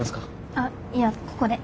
あっいやここで。